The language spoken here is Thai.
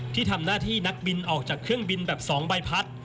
ที่ทำหน้าที่นักบินออกจากเครื่องบินแบบ๒ใบพัด